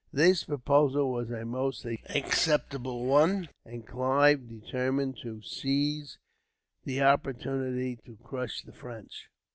This proposal was a most acceptable one, and Clive determined to seize the opportunity to crush the French.